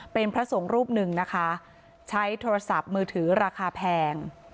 เป็นพระสงฆ์รูปหนึ่งนะคะใช้โทรศัพท์มือถือราคาแพง